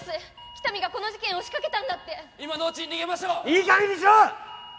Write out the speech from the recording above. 喜多見がこの事件を仕掛けたんだって今のうちに逃げましょういいかげんにしろ！